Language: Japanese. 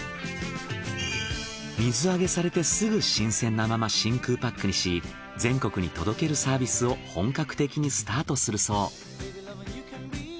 水揚げされてすぐ新鮮なまま真空パックにし全国に届けるサービスを本格的にスタートするそう。